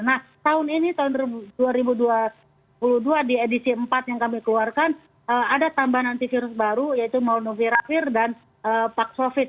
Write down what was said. nah tahun ini tahun dua ribu dua puluh dua di edisi empat yang kami keluarkan ada tambahan antivirus baru yaitu molnuviravir dan pak sovid